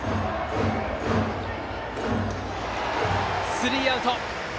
スリーアウト。